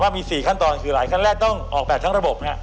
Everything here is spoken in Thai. มี๔ขั้นตอนคือหลายขั้นแรกต้องออกแบบทั้งระบบ